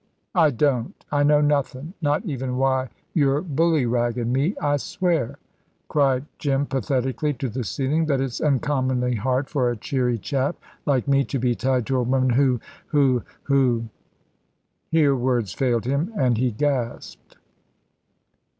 "I don't. I know nothin', not even why you're bullyraggin' me. I swear," cried Jim, pathetically, to the ceiling, "that it's uncommonly hard for a cheery chap like me to be tied to a woman who who who " Here words failed him, and he gasped.